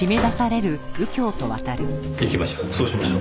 行きましょう。